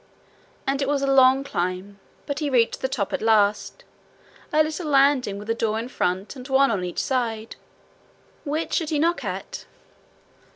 And it was a long climb, but he reached the top at last a little landing, with a door in front and one on each side. Which should he knock at?